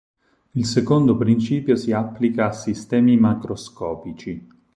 Il secondo principio si applica a sistemi macroscopici.